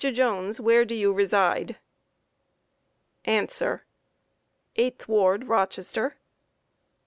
Jones, where do you reside? A. 8th ward, Rochester.